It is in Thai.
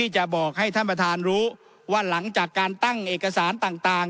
จะบอกให้ท่านประธานรู้ว่าหลังจากการตั้งเอกสารต่าง